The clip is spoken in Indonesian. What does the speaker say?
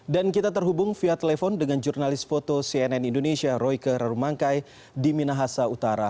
dan kita terhubung via telepon dengan jurnalis foto cnn indonesia royke rarumangkai di minahasa utara